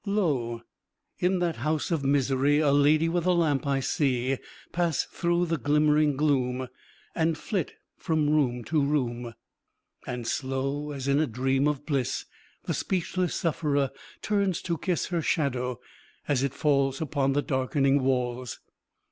Lo! in that house of misery A lady with a lamp I see Pass through the glimmering gloom, And flit from room to room. And slow, as in a dream of bliss, The speechless sufferer turns to kiss Her shadow, as it falls Upon the darkening walls.